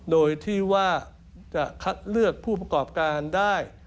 โดยที่ว่าจะคัดเลือกผู้ประกอบการได้